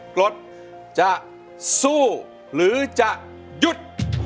กรดจะสู้หรือจะหยุด